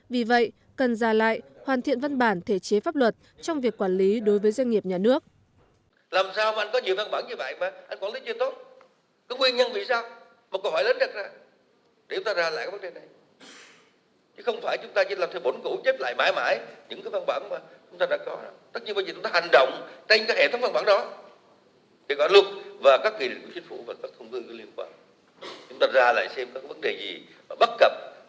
vì vậy cần ra lại hoàn thiện văn bản thể chế pháp luật trong việc quản lý đối với doanh nghiệp nhà nước